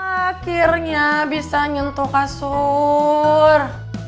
akhirnya bisa nyentuh kasur